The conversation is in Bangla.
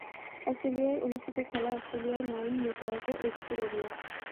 অস্ট্রেলিয়ায় অনুষ্ঠিত খেলা: অস্ট্রেলিয়ায় নাইন নেটওয়ার্ক ও এবিসি রেডিও।